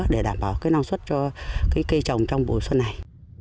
để đảm bảo năng suất cho cây trồng trong buổi xuân này